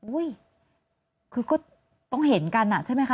คือก็ต้องเห็นกันอ่ะใช่ไหมคะ